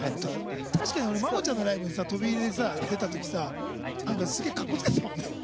確かに俺マモちゃんのライブにさ飛び入りでさ出たときさなんかすげぇかっこつけてたもんね。